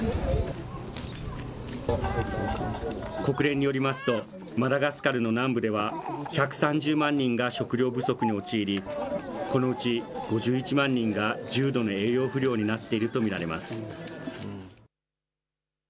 国連によりますと、マダガスカルの南部では、１３０万人が食糧不足に陥り、このうち５１万人が重度の栄養不良になっていると見られます。